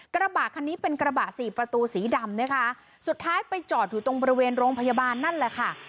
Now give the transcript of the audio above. กระบะคันนี้เป็นกระบะสี่ประตูสีดำนะคะสุดท้ายไปจอดอยู่ตรงบริเวณโรงพยาบาลนั่นแหละค่ะ